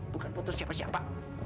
bukan foto siapa siapa